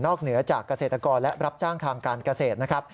เหนือจากเกษตรกรและรับจ้างทางการเกษตรนะครับ